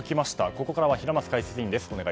ここからは平松解説委員です。